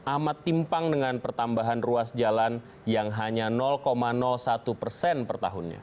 amat timpang dengan pertambahan ruas jalan yang hanya satu persen per tahunnya